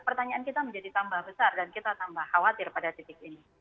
pertanyaan kita menjadi tambah besar dan kita tambah khawatir pada titik ini